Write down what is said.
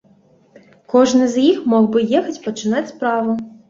Кожны з іх мог бы ехаць пачынаць справу.